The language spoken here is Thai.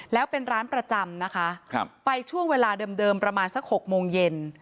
แล้วเป็นร้านประจำนะคะไปช่วงเวลาเดิมประมาณสัก๖โมงเย็น